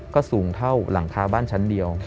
ก็สูงเท่าหลังคาบ้านชั้นเดียว